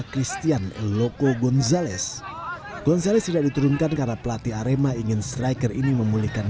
christian loko gonzalez gonzales tidak diturunkan karena pelatih arema ingin striker ini memulihkan